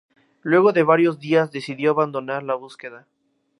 Luego de varios días decidió abandonar la búsqueda.